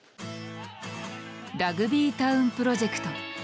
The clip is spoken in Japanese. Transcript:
ラグビータウンプロジェクト